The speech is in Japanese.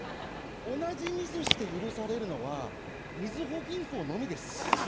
同じミスして許されるのはみずほ銀行のみです。